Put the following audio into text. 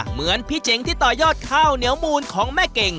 เหมือนพี่เจ๋งที่ต่อยอดข้าวเหนียวมูลของแม่เก่ง